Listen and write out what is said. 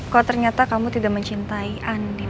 kok ternyata kamu tidak mencintai andin